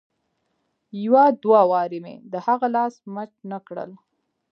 يو دوه وارې مې د هغه لاس مچ نه کړ.